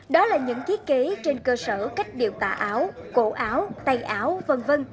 đó là những chiếc kế trên cơ sở cách điều tả áo cổ áo tay áo v v